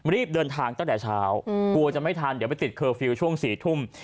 รีบเดินทางตั้งแต่เช้ากลัวจะไม่ทันเดี๋ยวไปติดเคอร์ฟิลล์ช่วง๔ทุ่ม